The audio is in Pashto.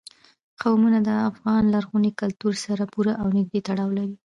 قومونه د افغان لرغوني کلتور سره پوره او نږدې تړاو لري.